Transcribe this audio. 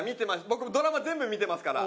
僕ドラマ全部見てますから。